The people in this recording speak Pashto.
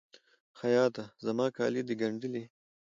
خیاطه! زما کالي د ګنډلي؟